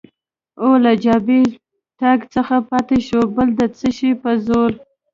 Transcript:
او له جبهې تګ څخه پاتې شوې، بل د څه شي په زور؟